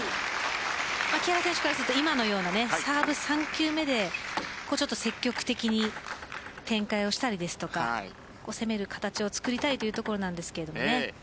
木原選手からすると今のようなサーブ３球目で積極的に展開をしたり攻める形を作りたいというところなんですけどね。